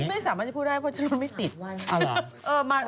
ฉันไม่สามารถจะพูดได้เพราะฉันไม่ติด